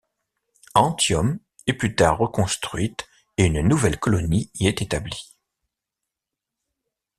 Antium est plus tard reconstruite et une nouvelle colonie y est établie.